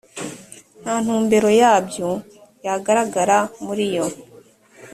nta ntumbero yabyo yagaragaraga muri iyo